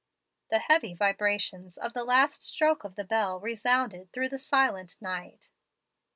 "The heavy vibrations of the last stroke of the bell resounded through the silent night.